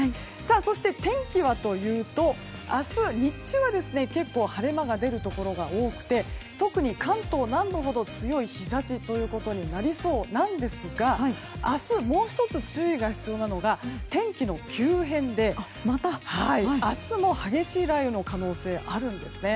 そして、天気はというと明日日中は結構晴れ間が出るところが多くて特に関東南部ほど強い日差しとなりそうなんですが明日、もう１つ注意が必要なのが天気の急変で明日も激しい雷雨の可能性があるんです。